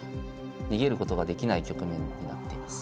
逃げることができない局面になっています。